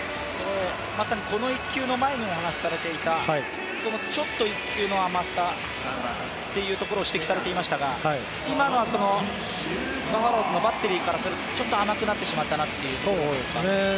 まさにこの１球の前にお話しされていたちょっと１球の甘さっていうところを指摘されていましたが、今のは、バファローズのバッテリーからすると、ちょっと甘くなってしまったかなと。